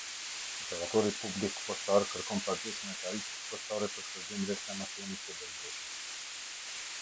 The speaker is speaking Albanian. Operatori publik postar kërkon pagesën e tarifës postare për shërbim reklamacioni të dërgesës.